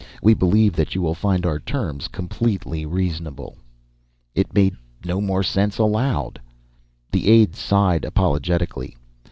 We believe that you will find our terms completely reasonable." It made no more sense aloud. The aide sighed apologetically.